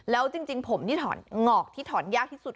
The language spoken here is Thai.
แล้วจริงผมนี่ถอนหงอกที่ถอนยากที่สุด